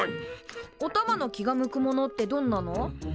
おたまの気が向くものってどんなの？